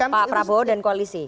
pak prabowo dan koalisi